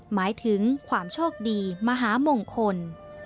หมายถึงความโชคดีมหามงคล